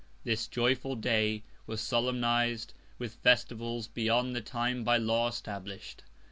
This joyful Day was solemniz'd with Festivals beyond the Time by Law establish'd.